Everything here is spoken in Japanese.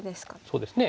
そうですね。